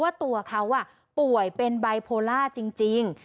ว่าตัวเค้าอ่ะป่วยเป็นไบโปรลาร์จริง